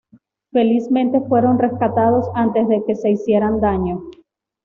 Felizmente fueron rescatados antes de que se hicieran daño.